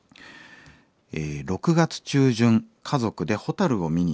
「６月中旬家族でホタルを見に行きました。